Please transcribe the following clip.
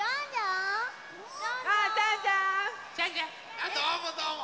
あどうもどうも。